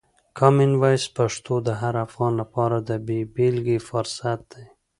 کامن وایس پښتو د هر افغان لپاره د بې بېلګې فرصت دی.